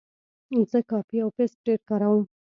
زه کاپي او پیسټ ډېر کاروم.